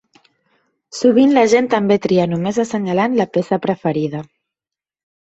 Sovint la gent també tria només assenyalant la peça preferida.